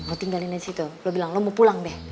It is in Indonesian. lo tinggalin dari situ lo bilang lo mau pulang deh